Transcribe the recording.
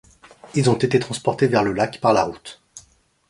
Ils ont été transportés vers le lac par la route.